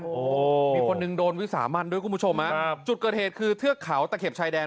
โอ้โหมีคนหนึ่งโดนวิสามันด้วยคุณผู้ชมฮะครับจุดเกิดเหตุคือเทือกเขาตะเข็บชายแดน